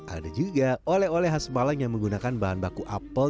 ada juga oleh oleh khas malang yang menggunakan bahan baku apel